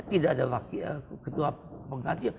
tidak ada ketua pengganti